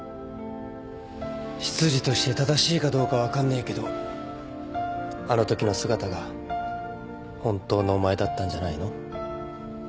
執事として正しいかどうか分かんねえけどあのときの姿が本当のお前だったんじゃないの？